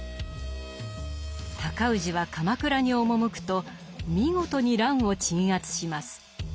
尊氏は鎌倉に赴くと見事に乱を鎮圧します。